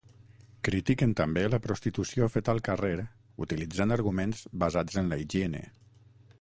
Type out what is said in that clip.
Critiquen també la prostitució feta al carrer utilitzant arguments basats en la higiene.